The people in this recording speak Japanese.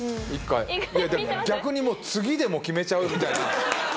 逆にもう次で決めちゃうみたいな。